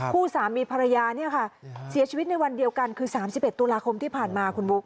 ผู้สามีภรรยาเนี่ยค่ะเสียชีวิตในวันเดียวกันคือ๓๑ตุลาคมที่ผ่านมาคุณบุ๊ค